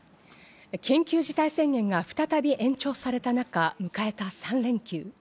緊急事態宣言が再び延長された中、迎えた３連休。